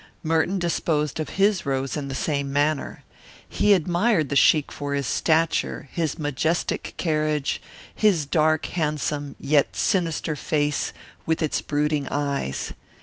Merton disposed of his rose in the same manner. He admired the sheik for his stature, his majestic carriage, his dark, handsome, yet sinister face with its brooding eyes.